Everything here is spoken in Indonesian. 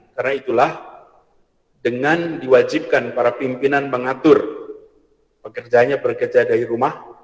karena itulah dengan diwajibkan perempuan mengatur kerja dari rumah